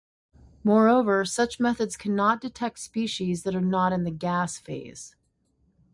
Moreover, such methods cannot detect species that are not in the gas-phase.